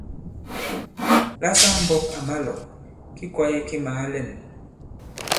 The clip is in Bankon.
La saŋ-mbɔ̄k à ma-lɔ̀, ki kwāye ki màa lɛ᷇n.